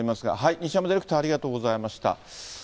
西山ディレクター、ありがとうございました。